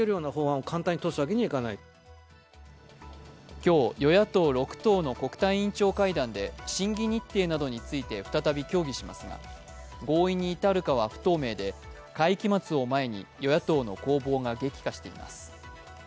今日、与野党６党の国対委員長会談で審議日程などについて再び協議しますが合意に至るかは不透明で、会期末を前に与野党の攻防が激化しています。